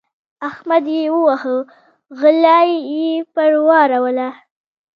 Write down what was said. احمد يې وواهه؛ غلا يې پر واړوله.